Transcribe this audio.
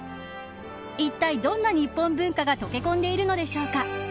いったい、どんな日本文化が溶け込んでいるのでしょうか。